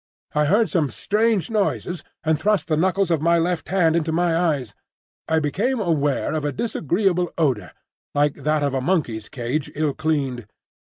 I heard some strange noises, and thrust the knuckles of my left hand into my eyes. I became aware of a disagreeable odor, like that of a monkey's cage ill cleaned.